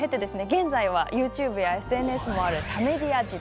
現在はＹｏｕＴｕｂｅやＳＮＳもある多メディア時代。